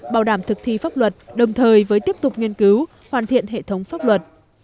bảo đảm thực thi pháp luật đồng thời với tiếp tục nghiên cứu hoàn thiện hệ thống pháp luật